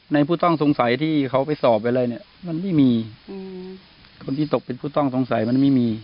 ผู้ต้องสงสัยที่เขาไปสอบอะไรเนี่ยมันไม่มีคนที่ตกเป็นผู้ต้องสงสัยมันไม่มี